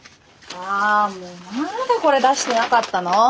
あもうまだこれ出してなかったの？